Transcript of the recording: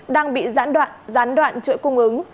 đang bị gián đoạn chuỗi cung ứng